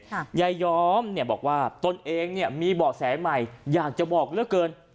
ยายยอมเนี่ยบอกว่าตนเองเนี่ยมีเบาะแสใหม่อยากจะบอกเหลือเกิน